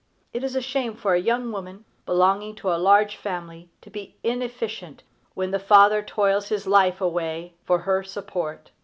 It is a shame for a young woman, belonging to a large family, to be inefficient when the father toils his life away for her support.